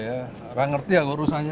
iya kurang ngerti aku rusaknya